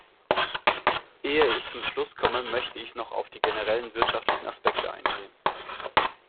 Ehe ich zum Schluss komme, möchte ich noch auf die generellen wirtschaftlichen Aspekte eingehen.